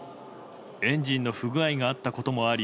エンジンの不具合があったこともあり